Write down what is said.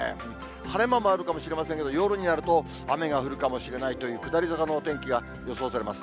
晴れ間もあるかもしれませんけども、夜になると、雨が降るかもしれないという、下り坂のお天気が予想されます。